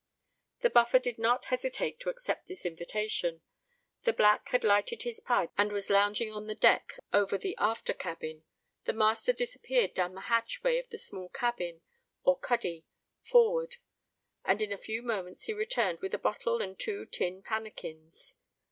The Buffer did not hesitate to accept this invitation. The Black had lighted his pipe, and was lounging on the deck over the after cabin. The master disappeared down the hatchway of the small cabin, or cuddy, forward; and in a few moments he returned with a bottle and two tin pannikins.